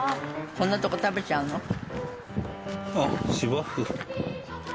こんなとこ食べちゃうの？